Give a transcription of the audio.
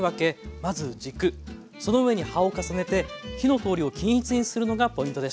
まず軸その上に葉を重ねて火の通りを均一にするのがポイントでした。